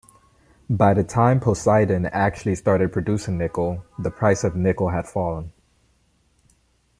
By the time Poseidon actually started producing nickel, the price of nickel had fallen.